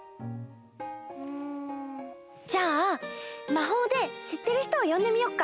うんじゃあまほうでしってる人をよんでみよっか！